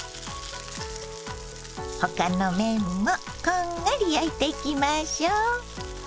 他の面もこんがり焼いていきましょう。